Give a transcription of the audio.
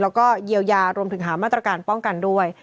แล้วก็เยียวยารวมถึงหามาตรการป้องกันด้วย